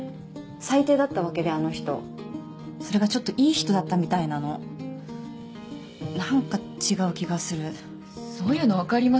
最低だったわけであの人それがちょっといい人だったみたいなのなんか違う気がするそういうのわかります